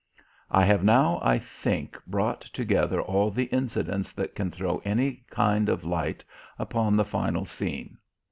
I have now, I think, brought together all the incidents that can throw any kind of light upon the final scene.